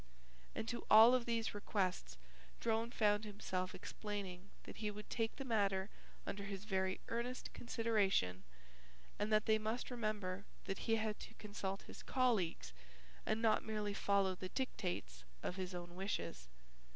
And to all of these requests Drone found himself explaining that he would take the matter under his very earnest consideration and that they must remember that he had to consult his colleagues and not merely follow the dictates of his own wishes.